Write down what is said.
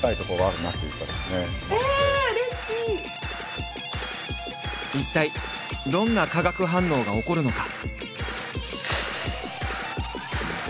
ＮＨＫの一体どんな化学反応が起こるのか。